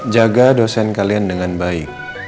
jaga dosen kalian dengan baik